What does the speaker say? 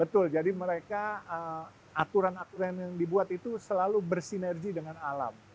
betul jadi mereka aturan aturan yang dibuat itu selalu bersinergi dengan alam